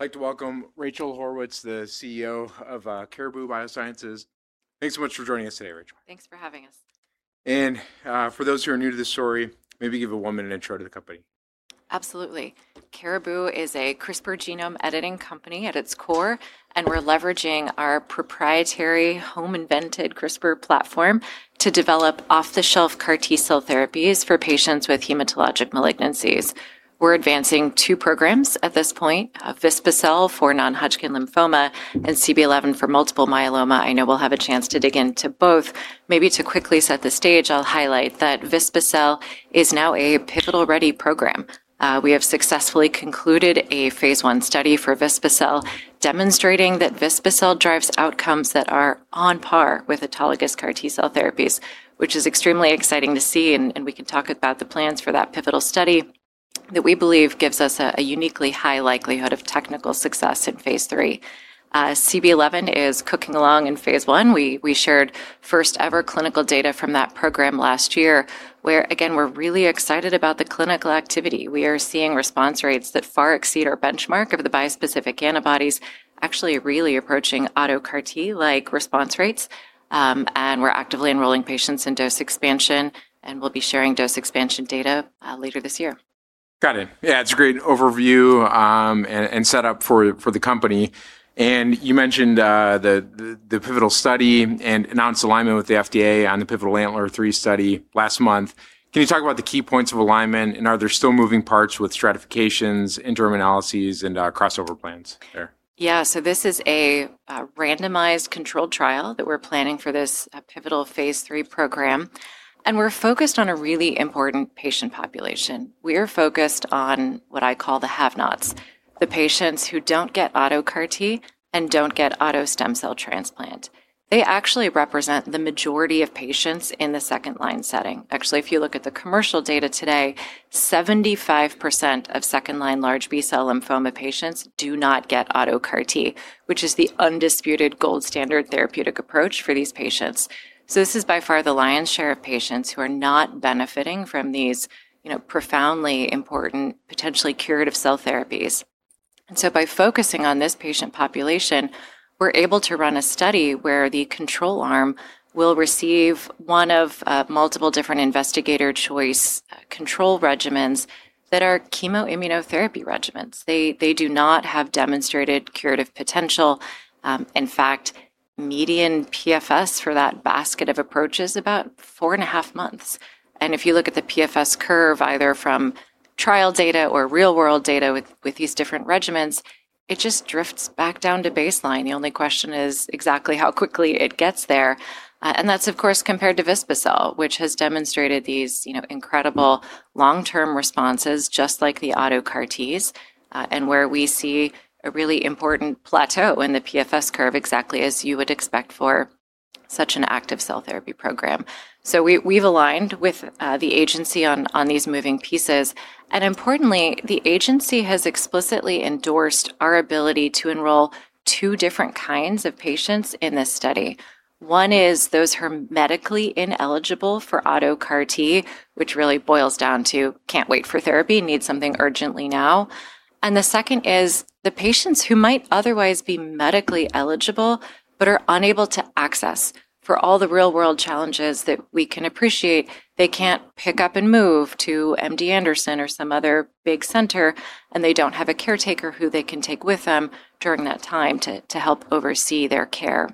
I'd like to welcome Rachel Haurwitz, the CEO of Caribou Biosciences. Thanks so much for joining us today, Rachel. Thanks for having us. For those who are new to this story, maybe give a one-minute intro to the company. Absolutely. Caribou is a CRISPR genome editing company at its core. We're leveraging our proprietary home-invented CRISPR platform to develop off-the-shelf CAR T cell therapies for patients with hematologic malignancies. We're advancing two programs at this point, vispa-cel for non-Hodgkin lymphoma and CB-011 for multiple myeloma. I know we'll have a chance to dig into both. Maybe to quickly set the stage, I'll highlight that vispa-cel is now a pivotal-ready program. We have successfully concluded a phase I study for vispa-cel, demonstrating that vispa-cel drives outcomes that are on par with autologous CAR T cell therapies, which is extremely exciting to see. We can talk about the plans for that pivotal study that we believe gives us a uniquely high likelihood of technical success in phase III. CB-011 is cooking along in phase I. We shared first-ever clinical data from that program last year, where again, we're really excited about the clinical activity. We are seeing response rates that far exceed our benchmark of the bispecific antibodies, actually really approaching autologous CAR T-like response rates. We're actively enrolling patients in dose expansion, and we'll be sharing dose expansion data later this year. Got it. Yeah. It's a great overview and setup for the company. You mentioned the pivotal study and announced alignment with the FDA on the pivotal ANTLER III study last month. Can you talk about the key points of alignment, and are there still moving parts with stratifications, interim analyses, and crossover plans there? Yeah. This is a randomized controlled trial that we're planning for this pivotal phase III program, and we're focused on a really important patient population. We are focused on what I call the have-nots, the patients who don't get autologous CAR T and don't get autologous stem cell transplant. They actually represent the majority of patients in the second-line setting. Actually, if you look at the commercial data today, 75% of second-line large B-cell lymphoma patients do not get autologous CAR T, which is the undisputed gold standard therapeutic approach for these patients. This is by far the lion's share of patients who are not benefiting from these profoundly important, potentially curative cell therapies. By focusing on this patient population, we're able to run a study where the control arm will receive one of multiple different investigator choice control regimens that are chemoimmunotherapy regimens. They do not have demonstrated curative potential. In fact, median PFS for that basket of approaches is about four and a half months. If you look at the PFS curve, either from trial data or real-world data with these different regimens, it just drifts back down to baseline. The only question is exactly how quickly it gets there. That's, of course, compared to vispa-cel, which has demonstrated these incredible long-term responses, just like the auto CAR Ts, and where we see a really important plateau in the PFS curve, exactly as you would expect for such an active cell therapy program. We've aligned with the agency on these moving pieces, and importantly, the agency has explicitly endorsed our ability to enroll two different kinds of patients in this study. One is those who are medically ineligible for autologous CAR T, which really boils down to can't wait for therapy, need something urgently now. The second is the patients who might otherwise be medically eligible but are unable to access for all the real-world challenges that we can appreciate. They can't pick up and move to MD Anderson Cancer Center or some other big center, and they don't have a caretaker who they can take with them during that time to help oversee their care.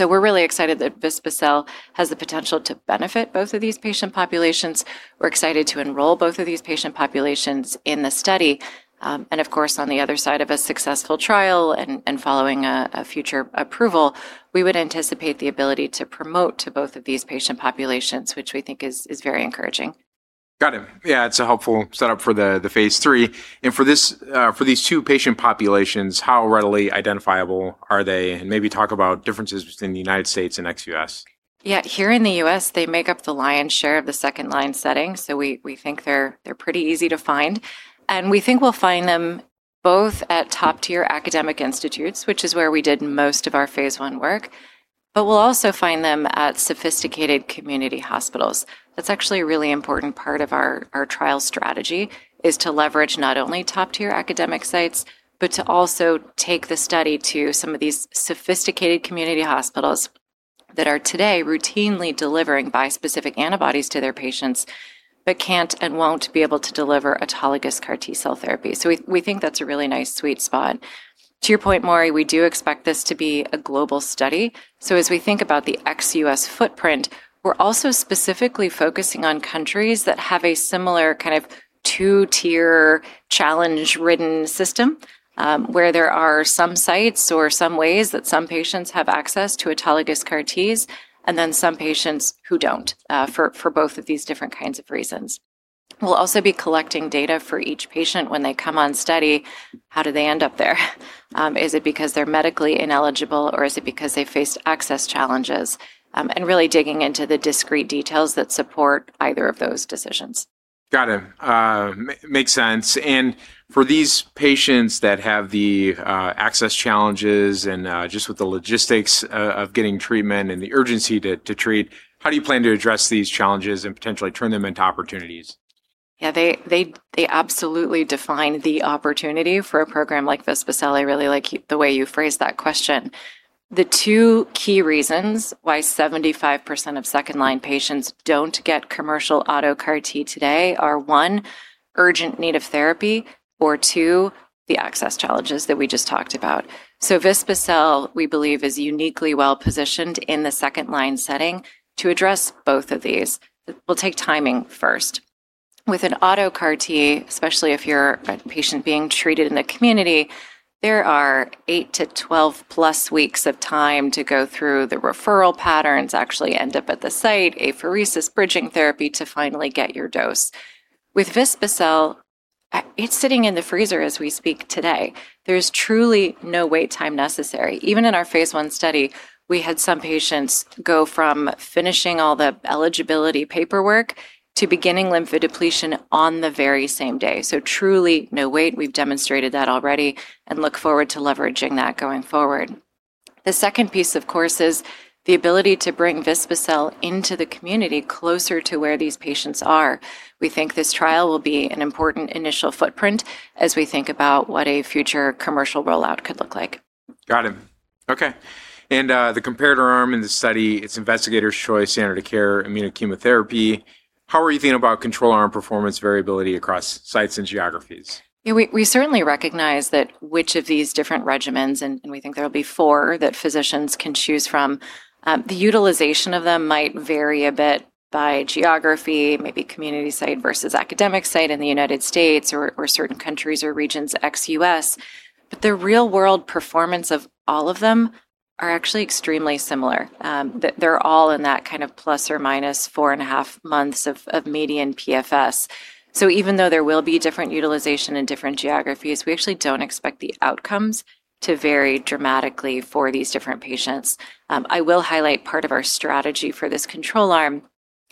We're really excited that vispa-cel has the potential to benefit both of these patient populations. We're excited to enroll both of these patient populations in the study. Of course, on the other side of a successful trial and following a future approval, we would anticipate the ability to promote to both of these patient populations, which we think is very encouraging. Got it. Yeah. It's a helpful setup for the phase III. For these two patient populations, how readily identifiable are they? Maybe talk about differences between the U.S. and ex-U.S. Here in the U.S., they make up the lion's share of the second-line setting, we think they're pretty easy to find. We think we'll find them both at top-tier academic institutes, which is where we did most of our phase I work, we'll also find them at sophisticated community hospitals. That's actually a really important part of our trial strategy, is to leverage not only top-tier academic sites, to also take the study to some of these sophisticated community hospitals that are today routinely delivering bispecific antibodies to their patients can't and won't be able to deliver autologous CAR T cell therapy. We think that's a really nice sweet spot. To your point, Maury, we do expect this to be a global study. As we think about the ex-U.S. footprint, we're also specifically focusing on countries that have a similar 2-tier challenge-ridden system, where there are some sites or some ways that some patients have access to autologous CAR Ts, and then some patients who don't for both of these different kinds of reasons. We'll also be collecting data for each patient when they come on study. How do they end up there? Is it because they're medically ineligible, or is it because they face access challenges? Really digging into the discrete details that support either of those decisions. Got it. Makes sense. For these patients that have the access challenges and just with the logistics of getting treatment and the urgency to treat, how do you plan to address these challenges and potentially turn them into opportunities? Yeah, they absolutely define the opportunity for a program like vispa-cel. I really like the way you phrased that question. The two key reasons why 75% of second-line patients don't get commercial auto CAR T today are, one, urgent need of therapy, or two, the access challenges that we just talked about. vispa-cel, we believe, is uniquely well-positioned in the second-line setting to address both of these. We'll take timing first. With an auto CAR T, especially if you're a patient being treated in the community, there are eight to 12 plus weeks of time to go through the referral patterns, actually end up at the site, apheresis, bridging therapy to finally get your dose. With vispa-cel, it's sitting in the freezer as we speak today. There's truly no wait time necessary. Even in our Phase I study, we had some patients go from finishing all the eligibility paperwork to beginning lymphodepletion on the very same day. Truly no wait. We've demonstrated that already and look forward to leveraging that going forward. The second piece, of course, is the ability to bring vispa-cel into the community closer to where these patients are. We think this trial will be an important initial footprint as we think about what a future commercial rollout could look like. Got it. Okay. It's investigator's choice, standard of care, chemoimmunotherapy. How are you thinking about control arm performance variability across sites and geographies? We certainly recognize that which of these different regimens, and we think there'll be four that physicians can choose from. The utilization of them might vary a bit by geography, maybe community site versus academic site in the U.S. or certain countries or regions ex-U.S., but the real-world performance of all of them are actually extremely similar. They're all in that kind of plus/minus four and a half months of median PFS. Even though there will be different utilization in different geographies, we actually don't expect the outcomes to vary dramatically for these different patients. I will highlight part of our strategy for this control arm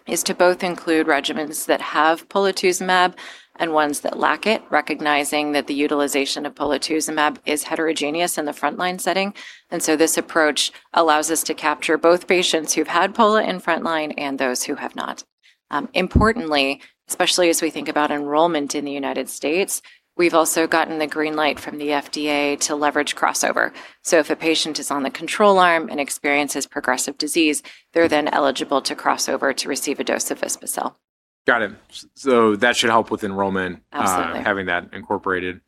is to both include regimens that have polatuzumab and ones that lack it, recognizing that the utilization of polatuzumab is heterogeneous in the frontline setting. This approach allows us to capture both patients who've had pola in frontline and those who have not. Importantly, especially as we think about enrollment in the United States, we've also gotten the green light from the FDA to leverage crossover. If a patient is on the control arm and experiences progressive disease, they're then eligible to cross over to receive a dose of vispa-cel. Got it. That should help with enrollment. Absolutely having that incorporated.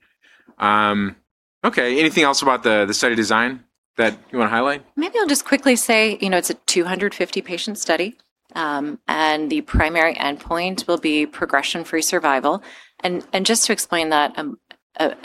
Okay, anything else about the study design that you want to highlight? Maybe I'll just quickly say, it's a 250-patient study, and the primary endpoint will be progression-free survival. Just to explain that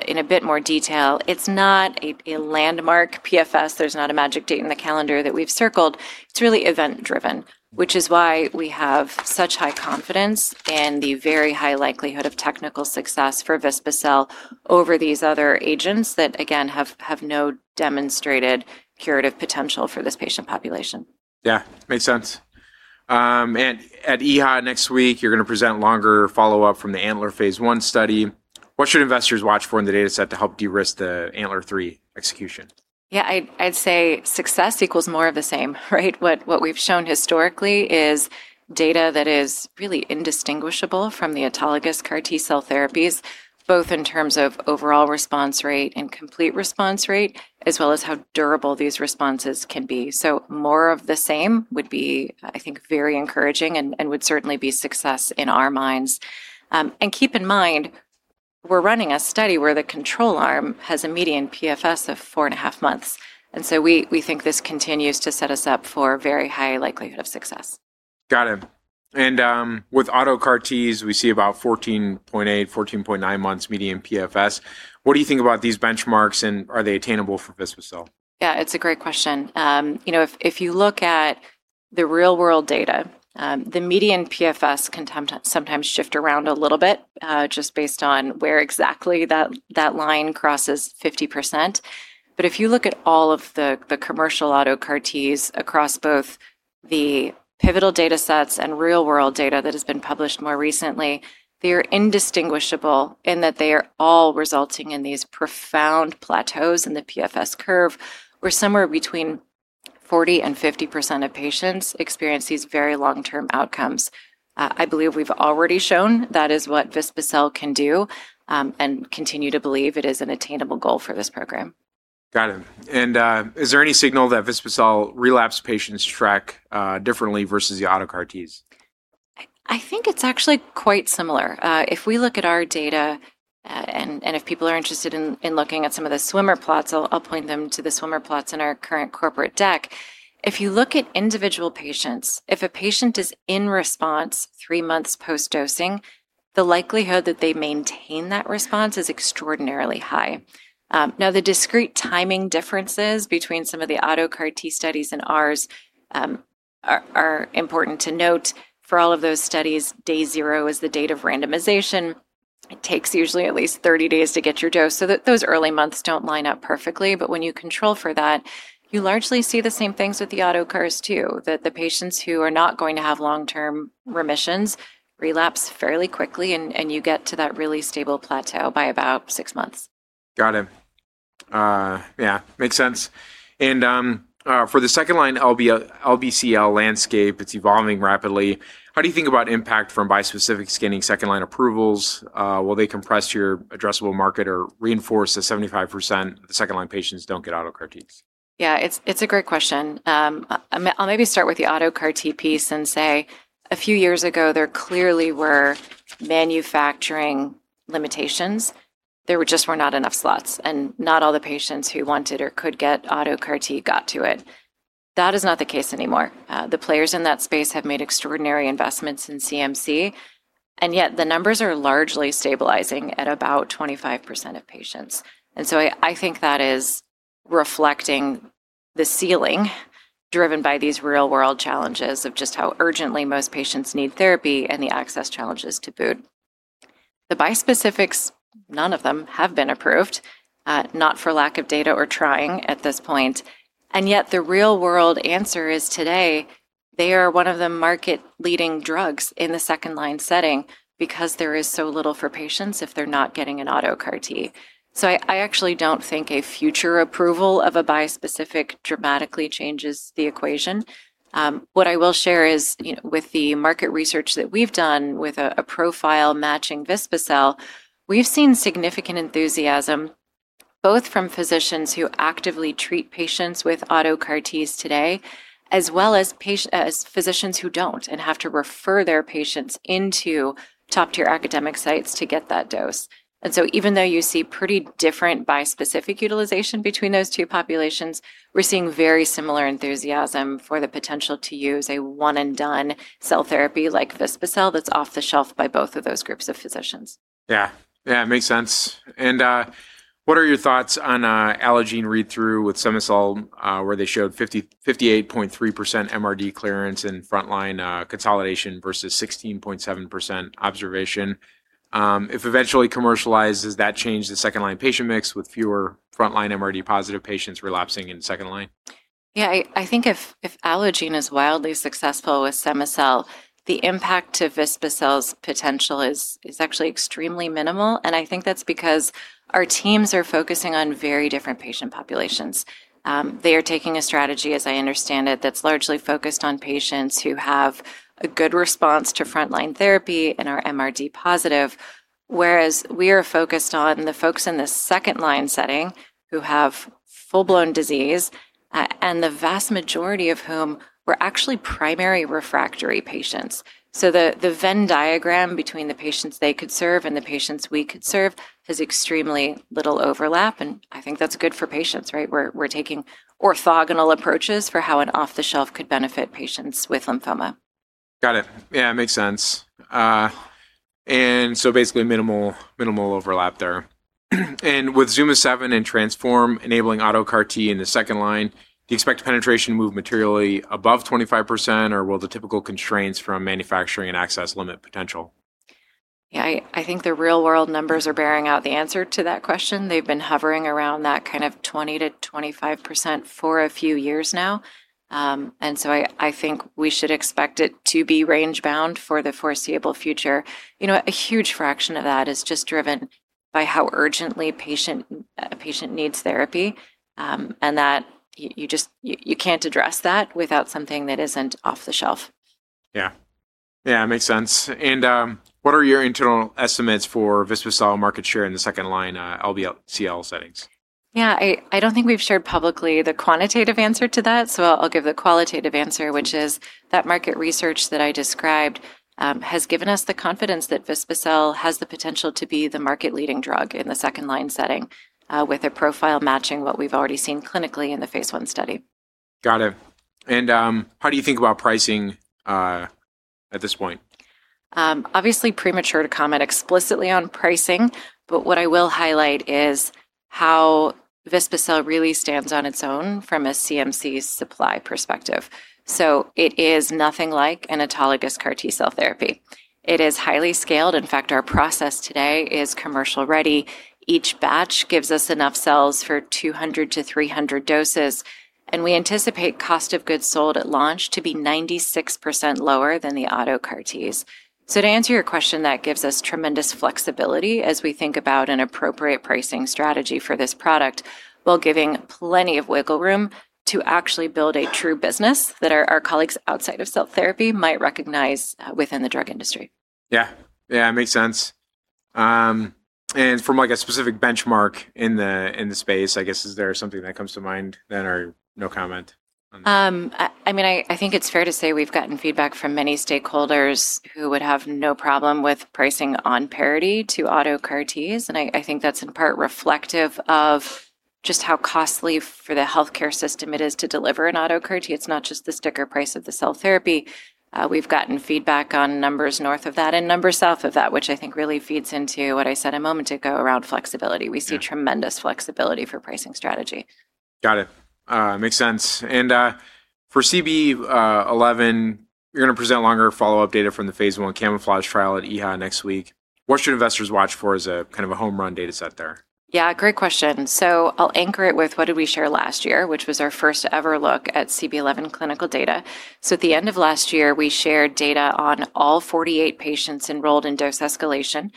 in a bit more detail, it's not a landmark PFS. There's not a magic date on the calendar that we've circled. It's really event driven, which is why we have such high confidence in the very high likelihood of technical success for vispa-cel over these other agents that, again, have no demonstrated curative potential for this patient population. Yeah, makes sense. At EDHA next week, you're going to present longer follow-up from the ANTLER phase I study. What should investors watch for in the dataset to help de-risk the ANTLER 3 execution? Yeah, I'd say success equals more of the same, right? What we've shown historically is data that is really indistinguishable from the autologous CAR T-cell therapies, both in terms of overall response rate and complete response rate, as well as how durable these responses can be. More of the same would be, I think, very encouraging and would certainly be success in our minds. Keep in mind, we're running a study where the control arm has a median PFS of four and a half months. We think this continues to set us up for a very high likelihood of success. Got it. With auto CAR Ts, we see about 14.8, 14.9 months median PFS. What do you think about these benchmarks, and are they attainable for vispa-cel? It's a great question. If you look at the real-world data, the median PFS can sometimes shift around a little bit, just based on where exactly that line crosses 50%. If you look at all of the commercial autologous CAR T across both the pivotal datasets and real-world data that has been published more recently, they are indistinguishable in that they are all resulting in these profound plateaus in the PFS curve, where somewhere between 40% and 50% of patients experience these very long-term outcomes. I believe we've already shown that is what vispa-cel can do, and continue to believe it is an attainable goal for this program. Got it. Is there any signal that vispa-cel relapse patients track differently versus the auto CAR Ts? I think it's actually quite similar. If we look at our data, and if people are interested in looking at some of the swimmer plots, I'll point them to the swimmer plots in our current corporate deck. If you look at individual patients, if a patient is in response three months post-dosing, the likelihood that they maintain that response is extraordinarily high. Now, the discrete timing differences between some of the autologous CAR T studies and ours are important to note. For all of those studies, day zero is the date of randomization. It takes usually at least 30 days to get your dose, so those early months don't line up perfectly. But when you control for that, you largely see the same things with the auto CARs, too. That the patients who are not going to have long-term remissions relapse fairly quickly, and you get to that really stable plateau by about six months. Got it. Yeah. Makes sense. For the second-line LBCL landscape, it's evolving rapidly. How do you think about impact from bispecifics getting second-line approvals? Will they compress your addressable market or reinforce the 75% of second-line patients don't get auto CAR Ts? Yeah, it's a great question. I'll maybe start with the autologous CAR T piece and say, a few years ago, there clearly were manufacturing limitations. There just were not enough slots, and not all the patients who wanted or could get autologous CAR T got to it. That is not the case anymore. The players in that space have made extraordinary investments in CMC, and yet the numbers are largely stabilizing at about 25% of patients. I think that is reflecting the ceiling driven by these real-world challenges of just how urgently most patients need therapy and the access challenges to boot. The bispecifics, none of them have been approved, not for lack of data or trying at this point. The real-world answer is today, they are one of the market-leading drugs in the second-line setting because there is so little for patients if they're not getting an autologous CAR T. I actually don't think a future approval of a bispecific dramatically changes the equation. What I will share is with the market research that we've done with a profile matching vispa-cel, we've seen significant enthusiasm, both from physicians who actively treat patients with auto CAR Ts today, as well as physicians who don't and have to refer their patients into top-tier academic sites to get that dose. Even though you see pretty different bispecific utilization between those two populations, we're seeing very similar enthusiasm for the potential to use a one and done cell therapy like vispa-cel that's off the shelf by both of those groups of physicians. Yeah. Makes sense. What are your thoughts on Allogene read-through with cema-cel, where they showed 58.3% MRD clearance in frontline consolidation versus 16.7% observation? If eventually commercialized, does that change the second-line patient mix with fewer frontline MRD-positive patients relapsing in second line? Yeah. I think if Allogene is wildly successful with cema-cel, the impact to vispa-cel's potential is actually extremely minimal, and I think that's because our teams are focusing on very different patient populations. They are taking a strategy, as I understand it, that's largely focused on patients who have a good response to frontline therapy and are MRD positive. Whereas we are focused on the folks in the second-line setting who have full-blown disease, and the vast majority of whom were actually primary refractory patients. The Venn diagram between the patients they could serve and the patients we could serve has extremely little overlap, and I think that's good for patients, right? We're taking orthogonal approaches for how an off-the-shelf could benefit patients with lymphoma. Got it. Yeah, makes sense. Basically minimal overlap there. With ZUMA-7 and TRANSFORM enabling autologous CAR T in the second line, do you expect penetration to move materially above 25%, or will the typical constraints from manufacturing and access limit potential? Yeah. I think the real-world numbers are bearing out the answer to that question. They've been hovering around that kind of 20% to 25% for a few years now. I think we should expect it to be range-bound for the foreseeable future. A huge fraction of that is just driven by how urgently a patient needs therapy, and that you can't address that without something that isn't off the shelf. Yeah. Makes sense. What are your internal estimates for vispa-cel market share in the second-line LBCL settings? I don't think we've shared publicly the quantitative answer to that. I'll give the qualitative answer, which is that market research that I described has given us the confidence that vispa-cel has the potential to be the market-leading drug in the second-line setting with a profile matching what we've already seen clinically in the phase I study. Got it. How do you think about pricing at this point? Obviously premature to comment explicitly on pricing, but what I will highlight is how vispacel really stands on its own from a CMC supply perspective. It is nothing like an autologous CAR T-cell therapy. It is highly scaled. In fact, our process today is commercial ready. Each batch gives us enough cells for 200 to 300 doses, and we anticipate cost of goods sold at launch to be 96% lower than the auto CAR Ts. To answer your question, that gives us tremendous flexibility as we think about an appropriate pricing strategy for this product while giving plenty of wiggle room to actually build a true business that our colleagues outside of cell therapy might recognize within the drug industry. Yeah. Makes sense. From a specific benchmark in the space, I guess, is there something that comes to mind then, or no comment on that? I think it's fair to say we've gotten feedback from many stakeholders who would have no problem with pricing on parity to auto CAR Ts, and I think that's in part reflective of just how costly for the healthcare system it is to deliver an autologous CAR T. We've gotten feedback on numbers north of that and numbers south of that, which I think really feeds into what I said a moment ago around flexibility. We see tremendous flexibility for pricing strategy. Got it. Makes sense. For CB-011, you're going to present longer follow-up data from the phase I CaMMouflage trial at EHA next week. What should investors watch for as a home run data set there? Yeah, great question. I will anchor it with what did we share last year, which was our first-ever look at CB-011 clinical data. At the end of last year, we shared data on all 48 patients enrolled in dose escalation.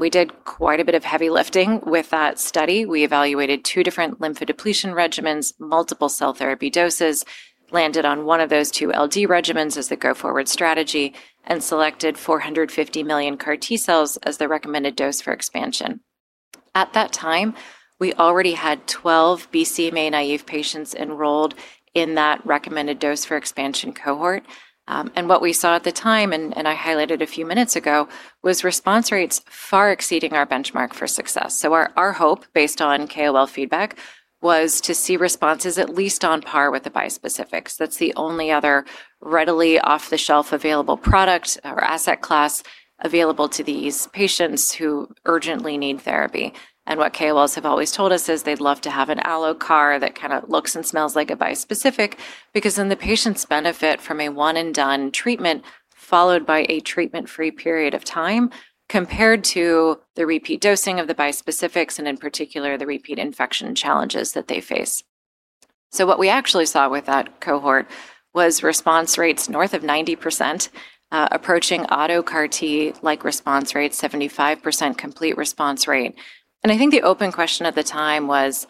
We did quite a bit of heavy lifting with that study. We evaluated two different lymphodepletion regimens, multiple cell therapy doses, landed on one of those two LD regimens as the go-forward strategy, and selected 450 million CAR T cells as the recommended dose for expansion. At that time, we already had 12 BCMA-naive patients enrolled in that recommended dose for expansion cohort. What we saw at the time, and I highlighted a few minutes ago, was response rates far exceeding our benchmark for success. Our hope, based on KOL feedback, was to see responses at least on par with the bispecifics. That's the only other readily off-the-shelf available product or asset class available to these patients who urgently need therapy. What KOLs have always told us is they'd love to have an allogeneic CAR that kind of looks and smells like a bispecific, because then the patients benefit from a one and done treatment followed by a treatment-free period of time, compared to the repeat dosing of the bispecifics and in particular, the repeat infection challenges that they face. What we actually saw with that cohort was response rates north of 90%, approaching autologous CAR T-like response rates, 75% complete response rate. I think the open question at the time was,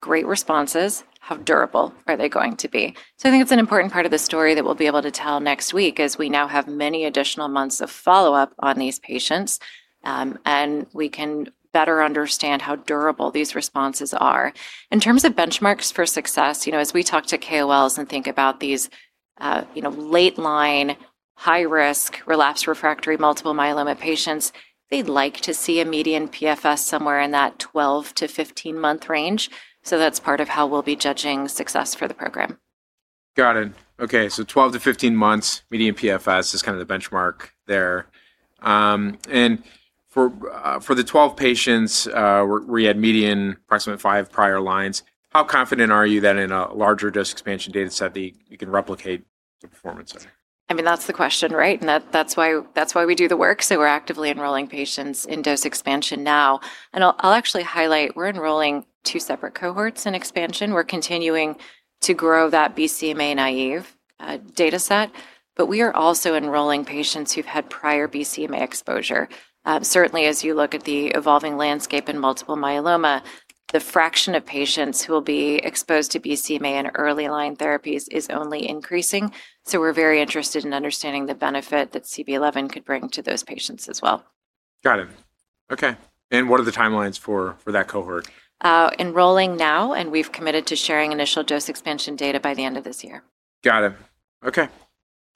great responses, how durable are they going to be? I think it's an important part of the story that we'll be able to tell next week as we now have many additional months of follow-up on these patients, and we can better understand how durable these responses are. In terms of benchmarks for success, as we talk to KOLs and think about these late line, high risk, relapse refractory multiple myeloma patients, they'd like to see a median PFS somewhere in that 12 to 15 month range. That's part of how we'll be judging success for the program. Got it. Okay. 12 to 15 months median PFS is the benchmark there. For the 12 patients where you had median approximately five prior lines, how confident are you that in a larger dose expansion data set that you can replicate the performance there? That's the question, right? That's why we do the work. We're actively enrolling patients in dose expansion now. I'll actually highlight, we're enrolling two separate cohorts in expansion. We're continuing to grow that BCMA-naive data set, but we are also enrolling patients who've had prior BCMA exposure. Certainly, as you look at the evolving landscape in multiple myeloma, the fraction of patients who will be exposed to BCMA in early line therapies is only increasing. We're very interested in understanding the benefit that CB-011 could bring to those patients as well. Got it. Okay. What are the timelines for that cohort? Enrolling now, and we've committed to sharing initial dose expansion data by the end of this year. Got it. Okay.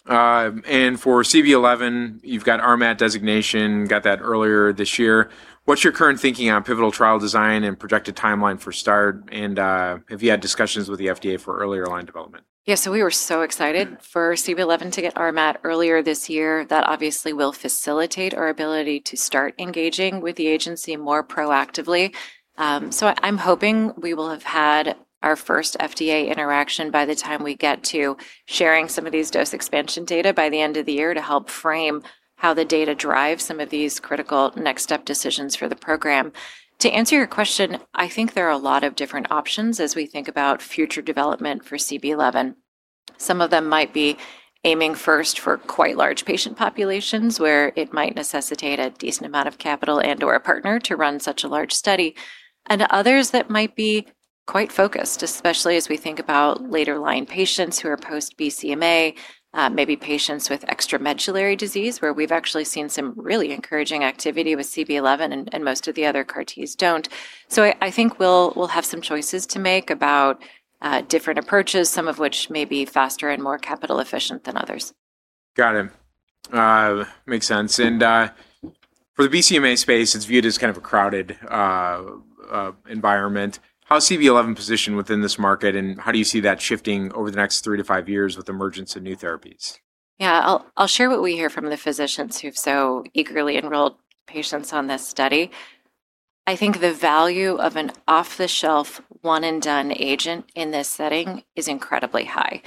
For CB-011, you've got RMAT designation, got that earlier this year. What's your current thinking on pivotal trial design and projected timeline for start? Have you had discussions with the FDA for earlier line development? Yeah. We were so excited for CB-011 to get RMAT earlier this year. That obviously will facilitate our ability to start engaging with the agency more proactively. I'm hoping we will have had our first FDA interaction by the time we get to sharing some of these dose expansion data by the end of the year to help frame how the data drives some of these critical next step decisions for the program. To answer your question, I think there are a lot of different options as we think about future development for CB-011. Some of them might be aiming first for quite large patient populations, where it might necessitate a decent amount of capital and/or a partner to run such a large study, and others that might be quite focused, especially as we think about later line patients who are post BCMA, maybe patients with extramedullary disease, where we've actually seen some really encouraging activity with CB-011 and most of the other CAR Ts don't. I think we'll have some choices to make about different approaches, some of which may be faster and more capital efficient than others. Got it. Makes sense. For the BCMA space, it's viewed as a crowded environment. How is CB-011 positioned within this market, and how do you see that shifting over the next three to five years with the emergence of new therapies? Yeah. I'll share what we hear from the physicians who've so eagerly enrolled patients on this study. I think the value of an off-the-shelf one and done agent in this setting is incredibly high.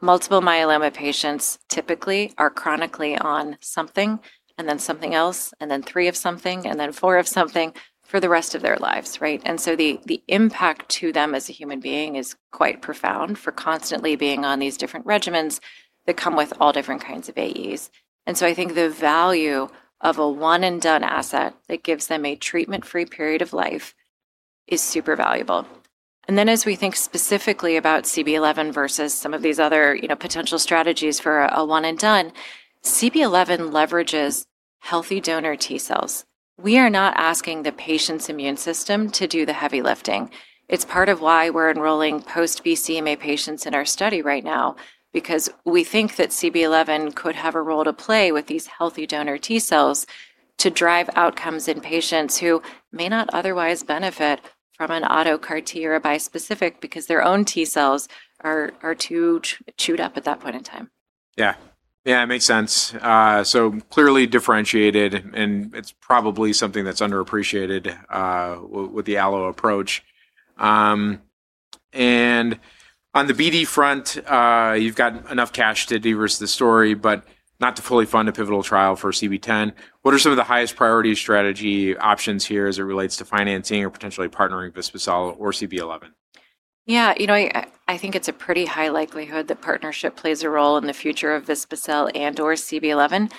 Multiple myeloma patients typically are chronically on something, and then something else, and then three of something, and then four of something for the rest of their lives, right? The impact to them as a human being is quite profound for constantly being on these different regimens that come with all different kinds of AEs. I think the value of a one and done asset that gives them a treatment-free period of life is super valuable. As we think specifically about CB-011 versus some of these other potential strategies for a one and done, CB-011 leverages healthy donor T cells. We are not asking the patient's immune system to do the heavy lifting. It's part of why we're enrolling post BCMA patients in our study right now because we think that CB-011 could have a role to play with these healthy donor T cells to drive outcomes in patients who may not otherwise benefit from an autologous CAR T or a bispecific because their own T cells are too chewed up at that point in time. Yeah. It makes sense. Clearly differentiated, and it's probably something that's underappreciated with the allo approach. On the BD front, you've got enough cash to de-risk the story, but not to fully fund a pivotal trial for CB-011. What are some of the highest priority strategy options here as it relates to financing or potentially partnering vispa-cel or CB-011? Yeah. I think it's a pretty high likelihood that partnership plays a role in the future of vispa-cel and/or CB-011.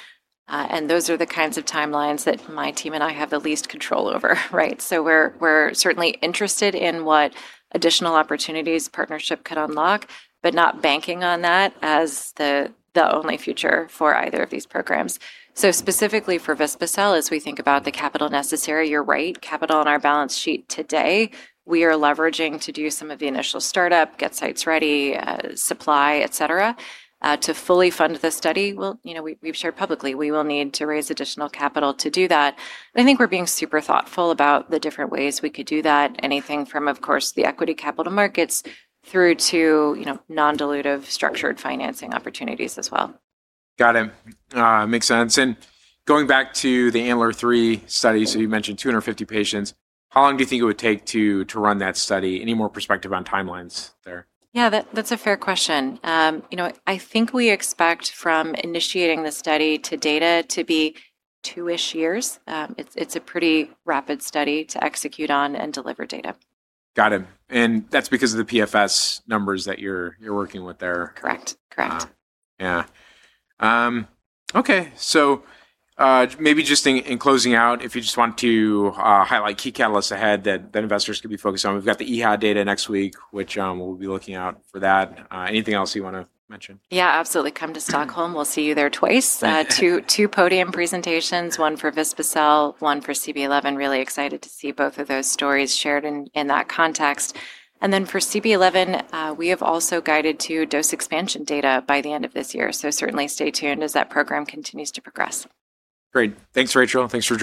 Those are the kinds of timelines that my team and I have the least control over, right? We're certainly interested in what additional opportunities partnership could unlock, but not banking on that as the only future for either of these programs. Specifically for vispa-cel, as we think about the capital necessary, you're right, capital on our balance sheet today, we are leveraging to do some of the initial startup, get sites ready, supply, et cetera. To fully fund the study, we've shared publicly, we will need to raise additional capital to do that. I think we're being super thoughtful about the different ways we could do that. Anything from, of course, the equity capital markets through to non-dilutive structured financing opportunities as well. Got it. Makes sense. Going back to the ANTLER 3 study, you mentioned 250 patients. How long do you think it would take to run that study? Any more perspective on timelines there? That's a fair question. I think we expect from initiating the study to data to be two-ish years. It's a pretty rapid study to execute on and deliver data. Got it. That's because of the PFS numbers that you're working with there. Correct. Yeah. Okay. Maybe just in closing out, if you just want to highlight key catalysts ahead that investors could be focused on. We've got the EHA data next week, which we'll be looking out for that. Anything else you want to mention? Yeah, absolutely. Come to Stockholm. We'll see you there twice. Two podium presentations, one for vispa-cel, one for CB-011. Really excited to see both of those stories shared in that context. For CB-011, we have also guided to dose expansion data by the end of this year. Certainly stay tuned as that program continues to progress. Great. Thanks, Rachel, and thanks for joining.